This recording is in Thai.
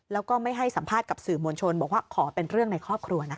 แล้วก็ไม่ให้สัมภาษณ์กับสื่อมวลชนบอกว่าขอเป็นเรื่องในครอบครัวนะคะ